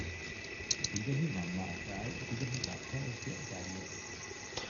ދިވެހި މަންމައަކާއި ދިވެހި ބައްޕައެއްގެ ދަރިއެއް